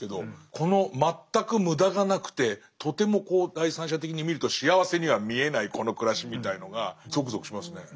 この全く無駄がなくてとても第三者的に見ると幸せには見えないこの暮らしみたいのがゾクゾクしますね。